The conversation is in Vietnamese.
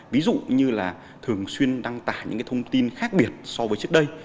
ví dụ như là thường xuyên đăng tả những thông tin khác biệt so với trước đây